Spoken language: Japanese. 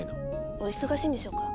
お忙しいんでしょうか。